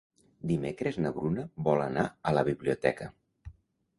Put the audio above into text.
Dimecres na Bruna vol anar a la biblioteca.